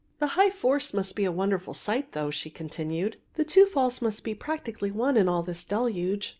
"The High Force must be a wonderful sight though," she continued, "the two falls must be practically one in all this deluge."